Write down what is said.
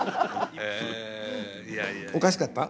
おかしかった？